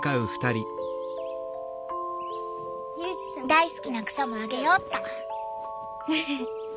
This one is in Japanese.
大好きな草もあげようっと。